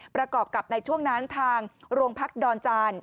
ประกอบกับในช่วงนั้นทางโรงพักดอนจาน